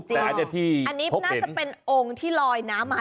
แต่อาจจะที่พกเห็นอันนี้น่าจะเป็นองค์ที่ลอยน้ำมา